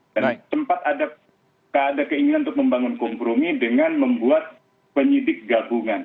dan sempat ada keinginan untuk membangun kompromi dengan membuat penyidik gabungan